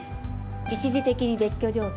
一時的に別居状態。